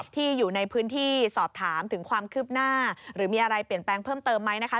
ที่อยู่ในพื้นที่สอบถามถึงความคืบหน้าหรือมีอะไรเปลี่ยนแปลงเพิ่มเติมไหมนะคะ